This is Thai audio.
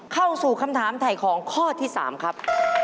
เข้าสู่คำถามถ่ายของข้อที่๓ครับ